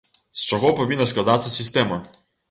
З чаго павінна складацца сістэма?